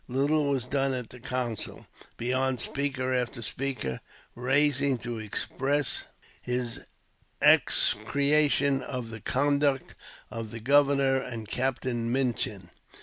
Little was done at the council, beyond speaker after speaker rising to express his execration of the conduct of the governor and Captain Minchin.